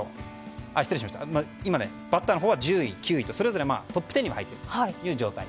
今、バッターのほうは１０位、９位とトップ１０に入っているという状態。